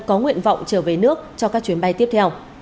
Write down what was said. có nguyện vọng trở về nước cho các chuyến bay tiếp theo